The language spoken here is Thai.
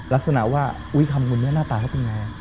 ลักษณะว่าอุ๊ยคำบุญนี้หน้าตาเขาเป็นไง